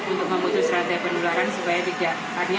untuk memutus rantai penularan